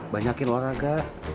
banyakin orang agak